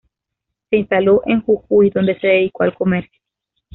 Se instaló en Jujuy, donde se dedicó al comercio.